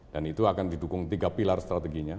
dan itu akan didukung tiga pilar strateginya